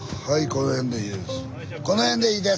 この辺でいいです！